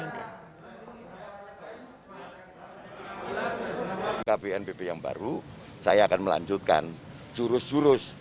kepala bnpb yang baru saya akan melanjutkan jurus jurus